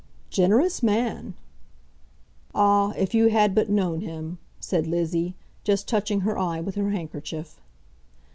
"Generous man!" "Ah, if you had but known him!" said Lizzie, just touching her eye with her handkerchief.